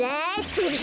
それ！